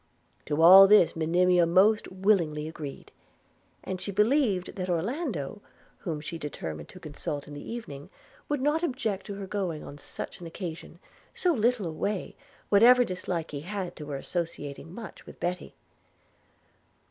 To all this Monimia most willingly agreed; and she believed that Orlando, whom she determined to consult in the evening, would not object to her going, on such an occasion, so little a way, whatever dislike he had to her associating much with Betty..